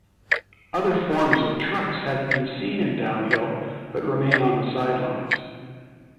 Other forms of trucks have been seen in downhill but remain on the sidelines.